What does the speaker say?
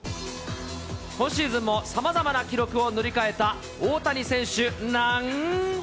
今シーズンもさまざまな記録を塗り替えた大谷選手なん。